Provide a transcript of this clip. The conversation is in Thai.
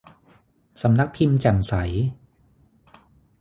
สำนักพิมพ์แจ่มใส